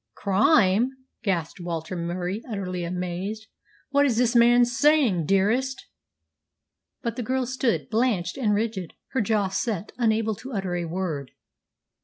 "Crime!" gasped Walter Murie, utterly amazed. "What is this man saying, dearest?" But the girl stood, blanched and rigid, her jaw set, unable to utter a word.